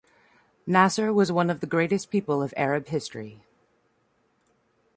Nasser was one of the greatest people of Arab history.